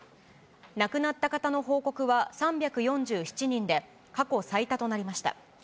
亡くなった方の報告は３４７人で、過去最多となりました。